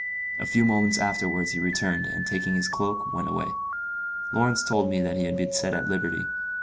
A few moments afterwards he returned, and taking his cloak went away. Lawrence told me that he had been set at liberty.